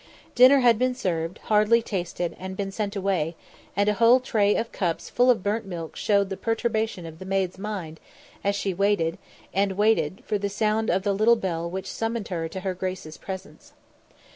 Dinner had been served, hardly tasted, and been sent away, and a whole tray of cups full of burnt milk showed the perturbation of the maid's mind as she waited, and waited for the sound of the little bell which summoned her to her grace's presence.